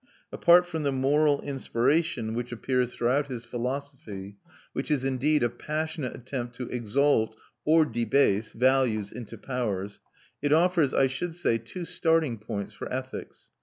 Apart from the moral inspiration which appears throughout his philosophy, which is indeed a passionate attempt to exalt (or debase) values into powers, it offers, I should say, two starting points for ethics.